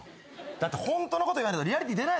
だってホントのこと言わないとリアリティー出ないだろ？